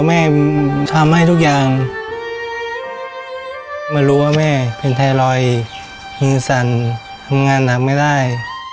มันไม่รู้ว่าแม่เป็นไทรอยด์มือสั่นทำงานหลักไม่ได้